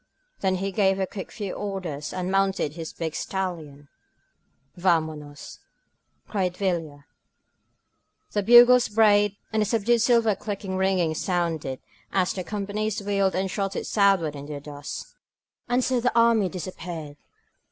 Then he gave a few quick orders and mounted his big stallion. Vamonosr* cried Villa. The bugles brayed and a subdued silver clicking ringing sounded as the com panies wheeled and trotted southward in the dust. ..• 190 ON THE CANNON CAK And so the army disappeared.